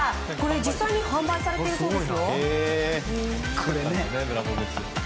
実際に販売されているそうです。